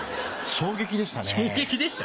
衝撃でした？